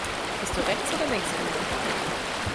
Bist du Rechts- oder Linkshänder?